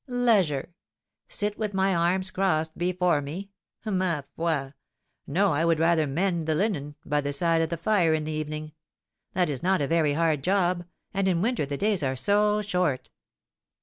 "Leisure, sit with my arms crossed before me! Ma foi! No, I would rather mend the linen, by the side of the fire in the evening. That is not a very hard job, and in winter the days are so short."